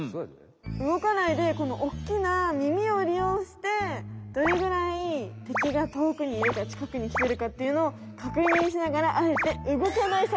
動かないでこのおっきなみみをりようしてどれぐらい敵がとおくにいるかちかくにきてるかっていうのをかくにんしながらあえて動かない作戦です。